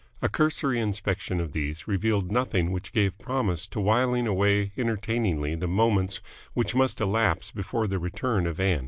A cursory inspection of these revealed nothing which gave promise of whiling away entertainingly the moments which must elapse before the return of Ann.